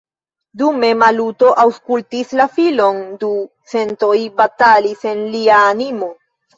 Dume Maluto aŭskultis la filon, du sentoj batalis en lia animo.